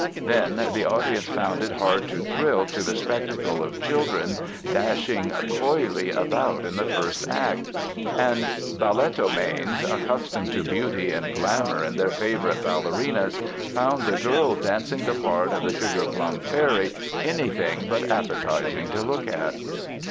Then, the audience found it hard to thrill to the spectacle of children dashing coyly about in the first act. And balletomanes, accustomed to beauty and glamor in their favorite ballerinas, found the girl dancing the part of the Sugarplum Fairy anything but appetizing to look at.